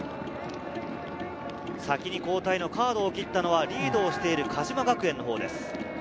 先に交代のカードを切ったのはリードしている鹿島学園です。